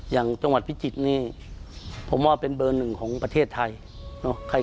อย่างจังหวัดพิจิตรนี่ผมว่าเป็นเบอร์หนึ่งของประเทศไทย